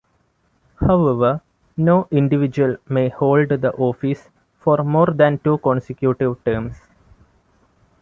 However no individual may hold the office for more than two consecutive terms.